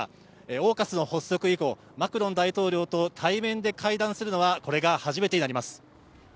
ＡＵＫＵＳ発足以降マクロン大統領と対面で会談するのはこれが初めてになります